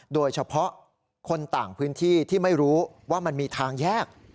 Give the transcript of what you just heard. โดยเฉพาะคนต่างพื้นที่ที่ไม่รู้ว่ามันมีทางแยก